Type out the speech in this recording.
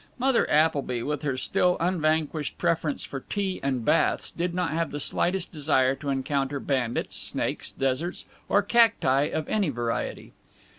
Mother Appleby, with her still unvanquished preference for tea and baths, did not have the slightest desire to encounter bandits, snakes, deserts, or cacti of any variety.